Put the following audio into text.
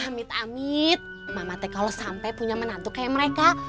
amit amit mama tekalo sampe punya menantu kayak mereka